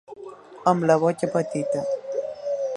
Amb la boca petita.